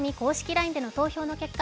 ＬＩＮＥでの投票の結果